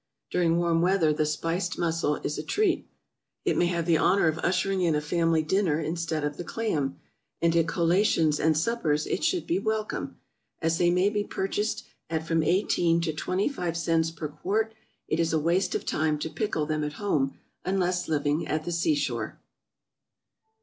During warm weather the spiced mussel is a treat: it may have the honor of ushering in a family dinner instead of the clam, and at collations and suppers it should be welcome. As they may be purchased at from eighteen to twenty five cents per quart, it is a waste of time to pickle them at home, unless living at the seashore.